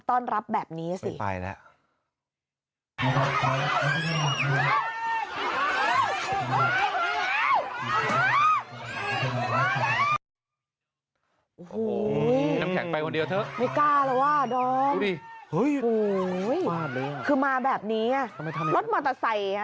โอ้โหคือมาแบบนี้รถมอเตอร์ไซค์